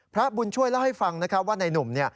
พระบุญช่วยเล่าให้ฟังว่าในนุ่ม